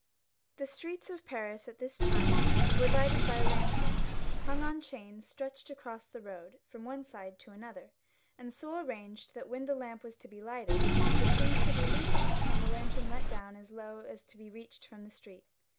The streets of Paris at this time were lighted by lanterns hung on chains stretched across the road from one side to another, and so arranged, that when the lamp was to be lighted the chains could be loosened and the lantern let down so low as to be reached from the street.